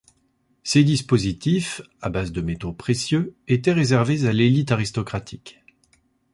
Ces dispositifs à base de métaux précieux étaient réservés à l'élite aristocratique.